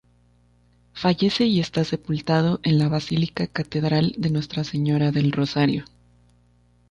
Fallece y está sepultado en la Basílica Catedral de Nuestra Señora del Rosario.